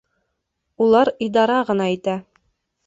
Улар идара ғына итә.